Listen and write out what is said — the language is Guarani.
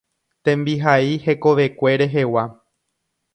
Tembihai hekovekue rehegua.